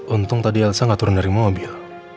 untung tadi elsa nggak turun dari mobil